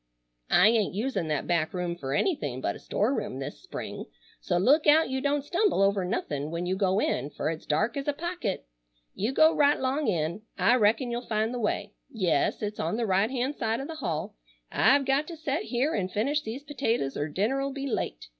I ain't usin' that back room fer anythin' but a store room this spring, so look out you don't stumble over nothin' when you go in fer it's dark as a pocket. You go right 'long in. I reckon you'll find the way. Yes, it's on the right hand side o' the hall. I've got to set here an' finish these potatoes er dinner'll be late.